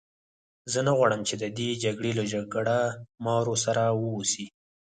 زه نه غواړم چې دا د دې جګړې له جګړه مارو سره وه اوسي.